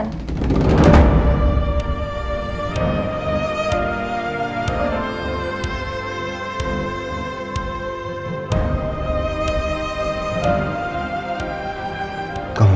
tidak ada diri